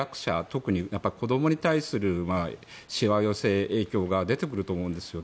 特に子どもに対するしわ寄せ影響が出てくると思うんですよ。